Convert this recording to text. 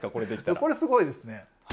これすごいですね。